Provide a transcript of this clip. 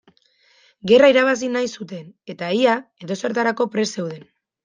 Gerra irabazi nahi zuten eta ia edozertarako prest zeuden.